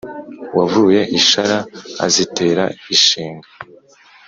wavuye i shara azitera i shenga.